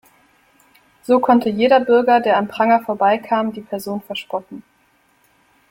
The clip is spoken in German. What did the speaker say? So konnte jeder Bürger, der am Pranger vorbeikam, die Person verspotten.